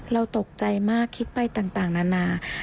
เราตกใจมากคิดไปต่างนานา